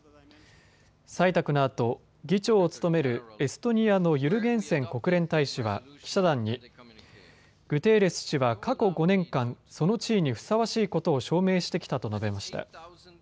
採択のあと議長を務めるエストニアのユルゲンセン国連大使は記者団にグテーレス氏は過去５年間、その地位にふさわしいことを証明してきたと述べました。